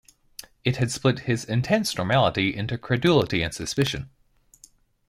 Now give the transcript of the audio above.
It had split his intense normality into credulity and suspicion.